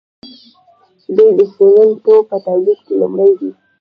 دوی د سیمنټو په تولید کې لومړی دي.